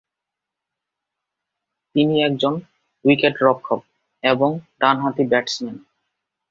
তিনি একজন উইকেট-রক্ষক এবং ডানহাতি ব্যাটসম্যান।